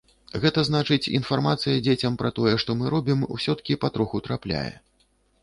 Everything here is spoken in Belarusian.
Гэта значыць, інфармацыя дзецям пра тое, што мы робім усё-ткі патроху трапляе.